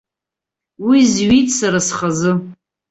Уи зҩит сара схазы.